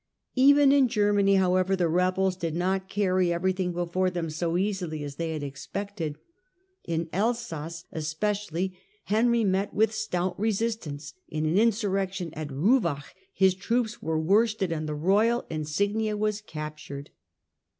Even in Germany, however, the rebels did not carry everything before them so easily as they had expected. In Elsass especially Henry met with a stout resistance ; in an insurrection at Ruvach his troops were worsted and tlje royal insignia were captured.